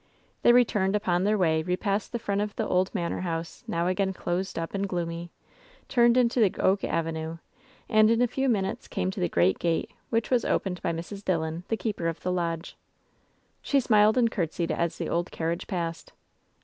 They returned upon their way, repassed the front of the old manor house, now again closed up and gloomy, turned into the oak avenue, and in a few minutes came to the great gate, which was opened by Mrs, DiUon, the keeper of the lodge. LOVE'S BITTEREST CUP 2« Slie smiled and courtesled as the old carriage passed.